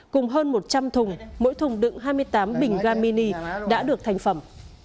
cùng hơn một trăm linh thùng mỗi thùng đựng hai mươi tám bình ga mini đã được thành phẩm